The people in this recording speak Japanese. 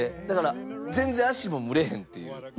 だから全然足も蒸れへんっていう。